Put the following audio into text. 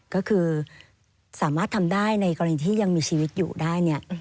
ก็คือสามารถทำได้ในกรณีที่ยังมีชีวิตอยู่ได้เนี่ย